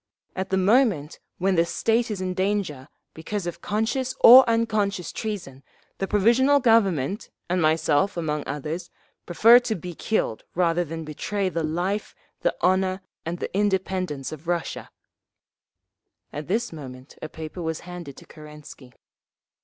"At the moment when the state is in danger, because of conscious or unconscious treason, the Provisional Government, and myself among others, prefer to be killed rather than betray the life, the honour and the independence of Russia…." At this moment a paper was handed to Kerensky.